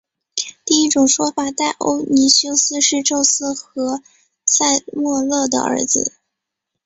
第一种说法戴欧尼修斯是宙斯和塞墨勒的儿子。